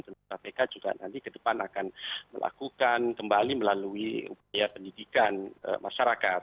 tentu kpk juga nanti ke depan akan melakukan kembali melalui upaya pendidikan masyarakat